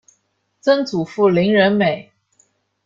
曾祖父林仁美。